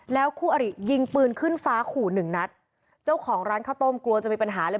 คู่อริยิงปืนขึ้นฟ้าขู่หนึ่งนัดเจ้าของร้านข้าวต้มกลัวจะมีปัญหาเลย